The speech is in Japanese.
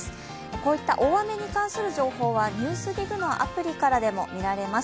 こういった大雨に関する情報は「ＮＥＷＳＤＩＧ」のアプリからでも確認できます。